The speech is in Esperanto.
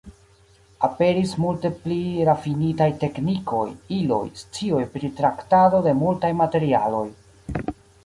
Aperis multe pli rafinitaj teknikoj, iloj, scioj pri traktado de multaj materialoj.